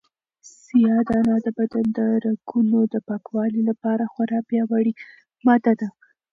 سیاه دانه د بدن د رګونو د پاکوالي لپاره خورا پیاوړې ماده ده.